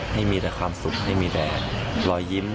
ไม่มีแต่ความสุขไม่มีแต่รอยยิ้ม